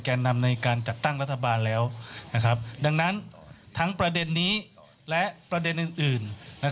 นำในการจัดตั้งรัฐบาลแล้วดังนั้นทั้งประเด็นนี้และประเด็นอื่น